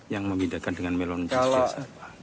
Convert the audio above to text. yang membedakan dengan melon biasa